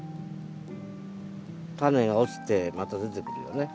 タネが落ちてまた出てくるよね。